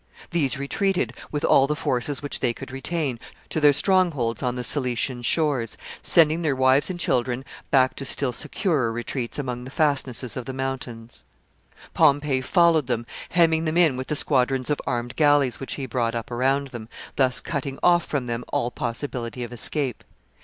These retreated, with all the forces which they could retain, to their strong holds on the Silician shores, sending their wives and children back to still securer retreats among the fastnesses of the mountains. [Sidenote: A great battle.] [Sidenote: Disposal of the pirates.] Pompey followed them, hemming them in with the squadrons of armed galleys which he brought up around them, thus cutting off from them all possibility of escape.